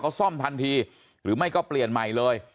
เขาซ่อมทันทีหรือไม่ก็เปลี่ยนใหม่เลย